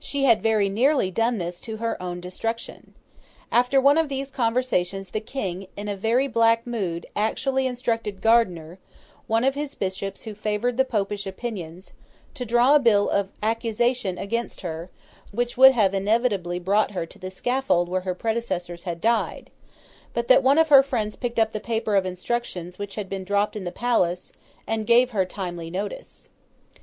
She had very nearly done this to her own destruction. After one of these conversations the King in a very black mood actually instructed Gardiner, one of his Bishops who favoured the Popish opinions, to draw a bill of accusation against her, which would have inevitably brought her to the scaffold where her predecessors had died, but that one of her friends picked up the paper of instructions which had been dropped in the palace, and gave her timely notice.